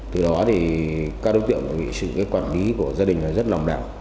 từ đó thì các đối tượng bị sự quản lý của gia đình rất lòng đạo